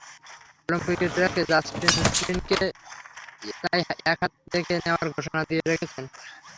অলিম্পিকের ট্র্যাকে জাস্টিন গ্যাটলিনকে তাই একহাত দেখে নেওয়ার ঘোষণা দিয়ে রেখেছেন।